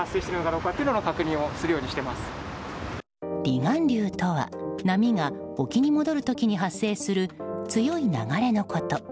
離岸流とは波が沖に戻る時に発生する強い流れのこと。